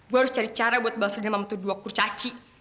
gue harus cari cara buat bales dendam sama itu dua kurcaci